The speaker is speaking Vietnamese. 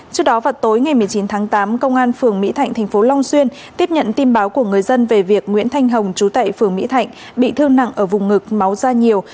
trước đó vào tối ngày một mươi chín tháng tám công an phường mỹ thạnh thành phố long xuyên tiếp nhận tin báo của người dân về việc nguyễn thanh hồng trú tại phường mỹ thạnh bị thương nặng ở vùng ngực máu da nhiều